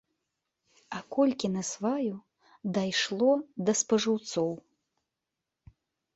А колькі насваю дайшло да спажыўцоў!